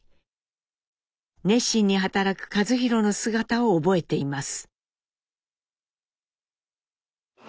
熱心に働く一寛の姿を覚えています。